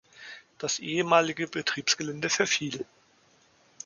Das ehemalige Betriebsgelände verfiel.